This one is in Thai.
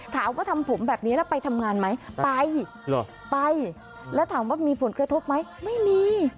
ถามว่าทำผมแบบนี้แล้วไปทำงานไหมไปไปแล้วถามว่ามีผลกระทบไหมไม่มี